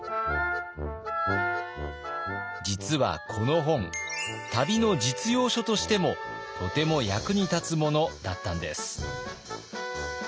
実はこの本旅の実用書としてもとても役に立つものだったんです。